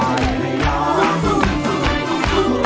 ร้องได้แบบนี้รับราคาสี่หมื่น